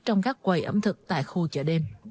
trong các quầy ẩm thực tại khu chợ đêm